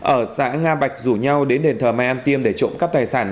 ở xã nga bạch rủ nhau đến đền thờ mai an tiêm để trộm cắp tài sản